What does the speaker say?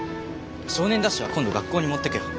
「少年ダッシュ」は今度学校に持ってくよ。